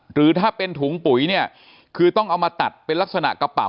หรือถ้าเป็นถุงปุ๋ยเนี่ยคือต้องเอามาตัดเป็นลักษณะกระเป๋า